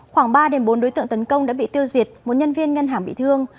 khoảng ba bốn đối tượng tấn công đã bị tiêu diệt một nhân viên ngân hàng bị thương